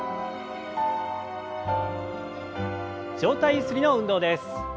上体ゆすりの運動です。